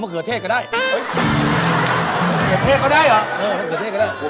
เอ่อเธกไลก็ได้เหรอ